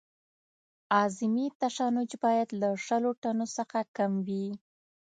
اعظمي تشنج باید له شلو ټنو څخه کم وي